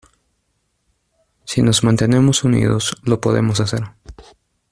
Si nos mantenemos unidos lo podemos hacer.